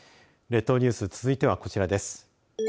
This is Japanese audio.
列島ニュース続いてはこちらです。